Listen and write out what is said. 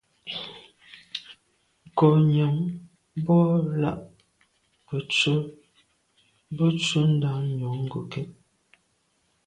Nkô nyam bo làn ke ntshùa bwe ntsho ndà njon ngokèt.